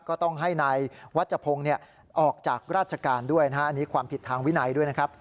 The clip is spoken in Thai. ก็ต้องให้นายวัชพงศ์ออกจากราชการด้วยนะฮะอันนี้ความผิดทางวินัยด้วยนะครับ